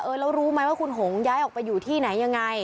แล้วรู้ไหมว่าคุณหงย้ายออกไปอยู่ที่ไหนยังไง